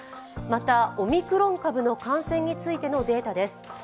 また、オミクロン株の感染についてのデータです。